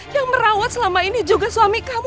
yang merawat selama ini juga suami kamu